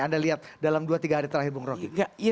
anda lihat dalam dua tiga hari terakhir bung rocky